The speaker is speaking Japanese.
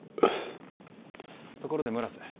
ところで村瀬